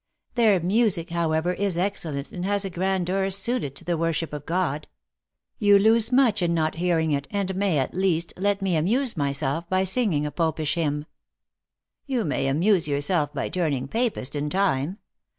" Their music, however, is excellent, and has a grandeur suited to the worship of God." You lose much in not hearing it, and may, at least, let me amuse myself by singing a Popish hymn." "You may amuse yourself by turning Papist in time.